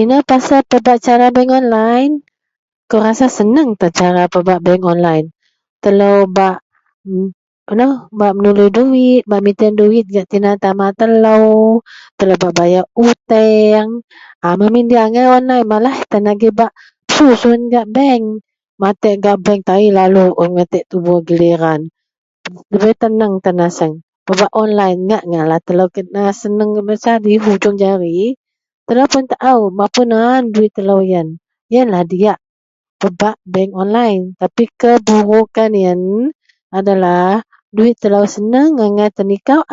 Inou pasal pebak bank online, ingat senangkah pebak cara duit online bak menului duit ,bak miteng duit gak tina tama telo bak bayar hutang. Malaih tan bak pesusun gak bank malaih tan matik tai alu un bak matik no giliran da tenang ta naseng kena pebak online hanya dihujung jari. Mapun an duit telo. Yian pebak bank one line. Tapi keburukan yian duit telo senang angai tenikaw.